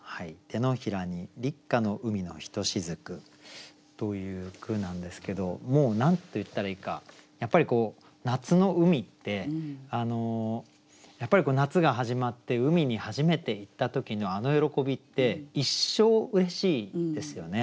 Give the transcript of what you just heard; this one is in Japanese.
「掌に立夏の海のひと雫」。という句なんですけどもう何て言ったらいいかやっぱり夏の海って夏が始まって海に初めて行った時のあの喜びって一生うれしいですよね。